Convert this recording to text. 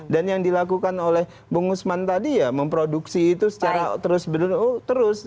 yang dilakukan oleh bung usman tadi ya memproduksi itu secara terus